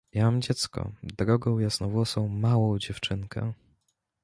"Ja mam dziecko, drogą, jasnowłosą, małą dziewczynkę."